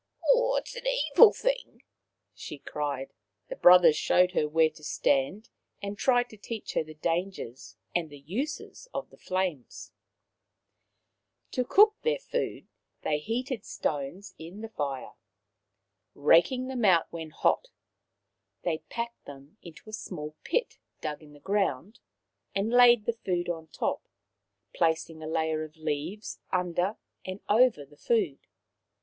" It is an evil thing," she cried. The brothers showed hei where to stand and tried to teach her the dangers and the uses of the flames. To cook their food they heated stones in the 172 Maoriland Fairy Tales fire. Raking them out when red hot, they packed them into a small pit dug in the ground, and laid the food on top, placing a layer of leaves under and over the food.